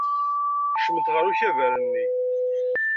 Kecment ɣer ukabar-nni.